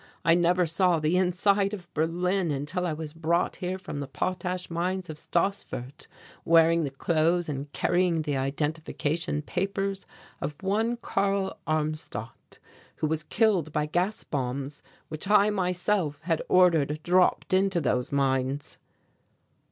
I never saw the inside of Berlin until I was brought here from the potash mines of Stassfurt, wearing the clothes and carrying the identification papers of one Karl Armstadt who was killed by gas bombs which I myself had ordered dropped into those mines."